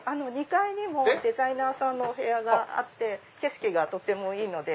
２階にもデザイナーさんのお部屋があって景色がとてもいいので。